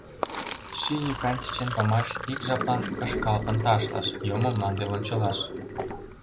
Ший йӱкан чечен памаш Ик жаплан кышкалтын ташлыш, Йомо мланде лончылаш.